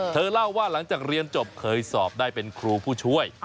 เธอเล่าว่าหลังจากเรียนจบเคยสอบได้เป็นครูผู้ช่วย